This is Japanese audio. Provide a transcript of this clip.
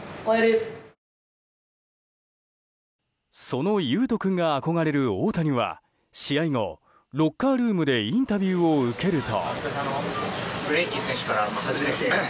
その悠翔君が憧れる大谷は試合後、ロッカールームでインタビューを受けると。